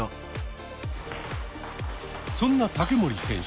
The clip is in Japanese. そんな竹守選手